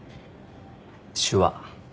手話。